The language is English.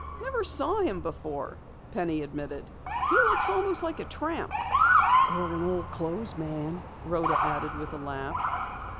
"Never saw him before," Penny admitted. "He looks almost like a tramp." "Or an old clothes man," Rhoda added with a laugh.